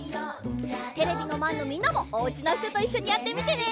テレビのまえのみんなもおうちのひとといっしょにやってみてね！